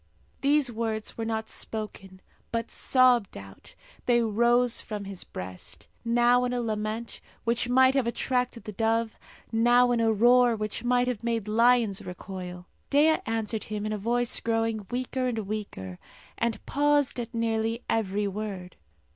These words were not spoken, but sobbed out. They rose from his breast now in a lament which might have attracted the dove, now in a roar which might have made lions recoil. Dea answered him in a voice growing weaker and weaker, and pausing at nearly every word.